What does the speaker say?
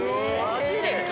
◆マジで！？